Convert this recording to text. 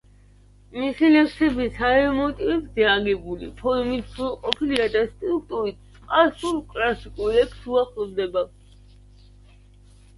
მისი ლექსები საერო მოტივებზეა აგებული, ფორმით სრულყოფილია და სტრუქტურით სპარსულ კლასიკურ ლექსს უახლოვდება.